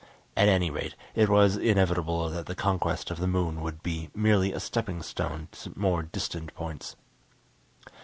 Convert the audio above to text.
At any rate, it was inevitable that the conquest of the moon would be merely a stepping stone to more distant points.